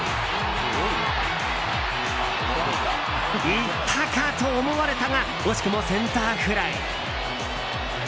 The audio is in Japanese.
いったかと思われたが惜しくもセンターフライ。